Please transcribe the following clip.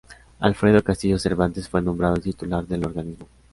Alfredo Castillo Cervantes fue nombrado titular del organismo.